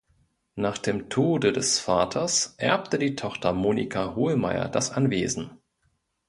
Nach dem Tode des Vaters erbte die Tochter Monika Hohlmeier das Anwesen.